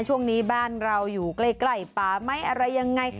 ช่วงนี้บ้านเราอยู่ใกล้ป่าไหมอะไรยังไง